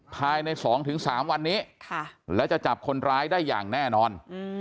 ภายใน๒๓วันนี้และจะจับคนร้ายได้อย่างแน่นอน